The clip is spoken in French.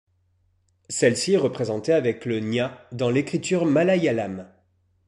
Celle-ci est représentée avec le ña dans l’écriture malayalam.